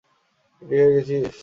Ready হয়ে গেছিস?